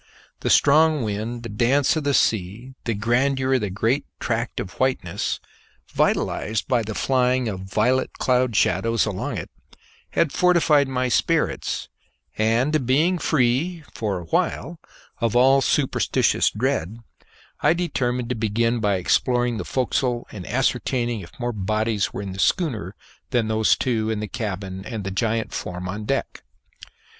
The strong wind, the dance of the sea, the grandeur of the great tract of whiteness, vitalized by the flying of violet cloud shadows along it, had fortified my spirits, and being free (for a while) of all superstitious dread, I determined to begin by exploring the forecastle and ascertaining if more bodies were in the schooner than those two in the cabin and the giant form on deck.